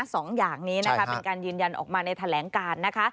สองอย่างนี้นะคะเป็นการยืนยันออกมาในแถลงการนะคะ